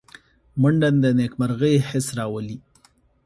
منډه د نېکمرغۍ حس راولي